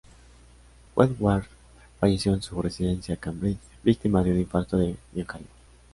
Woodward falleció en su residencia de Cambridge víctima de un infarto de miocardio.